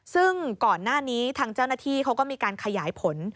ซึ่งก่อนหน้านี้ทางเจ้าหน้าที่เขาก็มีการขยายผล